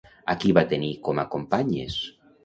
A qui va tenir com a companyes?